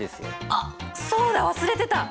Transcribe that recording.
あっそうだ忘れてた！